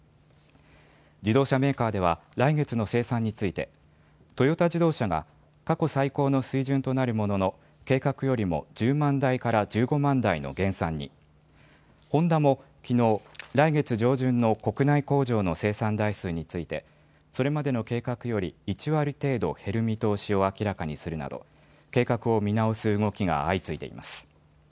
自動車メーカーでは来月の生産についてトヨタ自動車が過去最高の水準となるものの計画よりも１０万台から１５万台の減産に、ホンダもきのう、来月上旬の国内工場の生産台数についてそれまでの計画より１割程度減る見通しを明らかにするなど計画を見直す動きが相次いでいます。